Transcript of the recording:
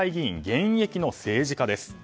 現役の政治家です。